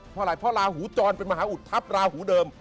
เพราะอะไรเพราะลาหูจรเป็นมหาอุทธัพราหูเดิม